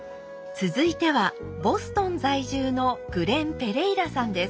続いてはボストン在住のグレン・ペレイラさんです。